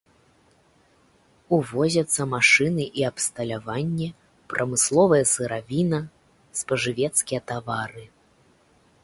Увозяцца машыны і абсталяванне, прамысловая сыравіна, спажывецкія тавары.